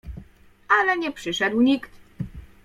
"Ale nie przyszedł nikt."